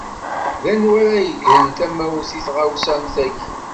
D anwa ara ad yegren tamawt i tɣawsa am taki.